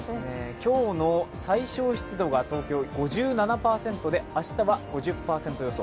今日の最小湿度が東京５７％で明日は５０％予想。